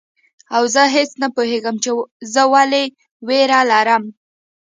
او زه هیڅ نه پوهیږم چي زه ولي ویره لرم